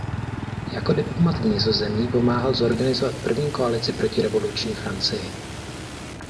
Jako diplomat v Nizozemí pomáhal zorganizovat první koalici proti revoluční Francii.